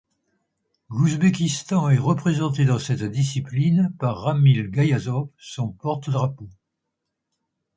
L'Ouzbékistan est représenté dans cette discipline par Ramil Gayazov, son porte-drapeau.